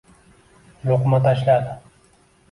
luqma tashladi.